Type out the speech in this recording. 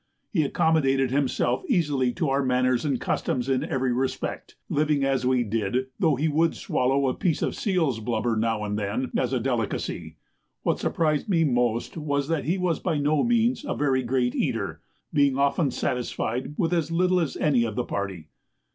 He accommodated himself easily to our manners and customs in every respect, living as we did, though he would swallow a piece of seal's blubber now and then as a delicacy. What surprised me most was, that he was by no means a very great eater, being often satisfied with as little as any of the party.